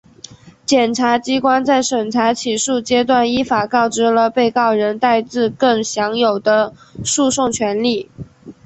检察机关在审查起诉阶段依法告知了被告人戴自更享有的诉讼权利